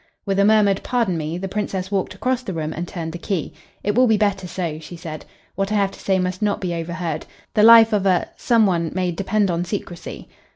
With a murmured "Pardon me" the Princess walked across the room and turned the key. "It will be better so," she said. "What I have to say must not be overheard. The life of a some one may depend on secrecy."